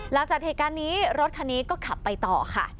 หลังจากเหตุการณ์นี้รถคันนี้ก็ขับไปต่อค่ะ